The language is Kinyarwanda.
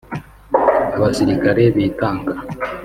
abasirikare bitanga